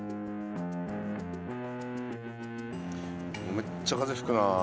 めっちゃ風吹くな。